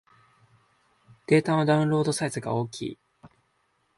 データのダウンロードサイズが大きい